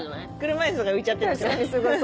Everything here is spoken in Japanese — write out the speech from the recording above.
車いすが浮いちゃってんでしょ？